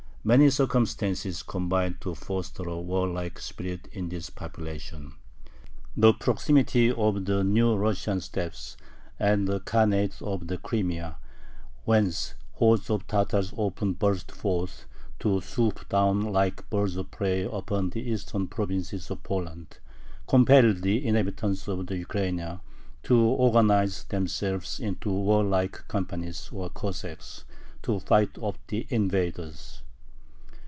Many circumstances combined to foster a warlike spirit in this population. The proximity of the New Russian steppes and the Khanate of the Crimea, whence hordes of Tatars often burst forth to swoop down like birds of prey upon the eastern provinces of Poland, compelled the inhabitants of the Ukraina to organize themselves into warlike companies, or Cossacks, to fight off the invaders.